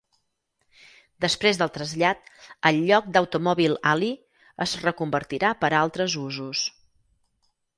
Després del trasllat, el lloc d'Automobile Alley es reconvertirà per a altres usos.